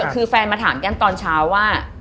คือแฟนมาถามแก้มตอนเช้าว่า